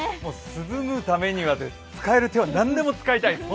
涼むためには、使える手は何でも使いたいです。